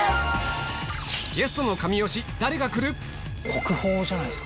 ゲストの神推し誰が来る？